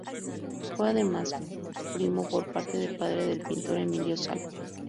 Fue además primo por parte de padre del pintor Emilio Sala.